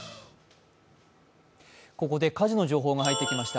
ここで火事の情報が入ってきました。